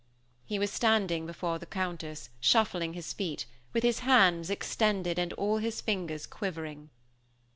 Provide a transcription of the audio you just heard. He was standing before the Countess, shuffling his feet, with his hands extended and all his fingers quivering.